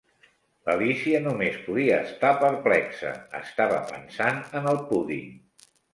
L'Alícia només podia estar perplexa: estava pensant en el púding.